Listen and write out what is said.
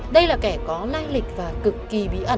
đây là kẻ có lai lịch và cực kỳ bí ẩn